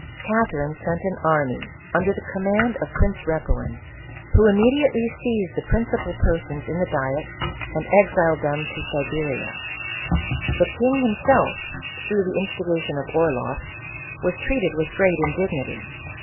Catherine sent an army under the command of Prince Repuin, Who immediately seized the principal persons in the diet, and exiled them to Siberia. The king himself, through the instigation of Orloff, was treated with great indig nity.